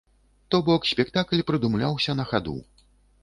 То бок спектакль прыдумляўся на хаду.